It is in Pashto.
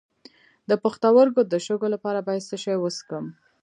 د پښتورګو د شګو لپاره باید څه شی وڅښم؟